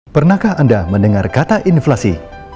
pernahkah anda mendengar kata inflasi